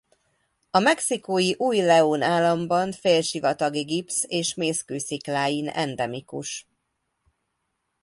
A mexikói Új-León államban félsivatagi gipsz- és mészkőszikláin endemikus.